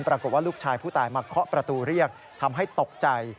ปรากฏว่าลูกชายผู้ตายมาเคาะประตูเรียกทำให้ตกใจ